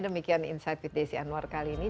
demikian insight with desi anwar kali ini